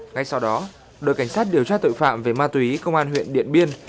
ngay sau đó đội cảnh sát điều tra tội phạm về ma túy công an huyện điện biên